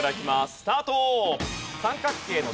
スタート！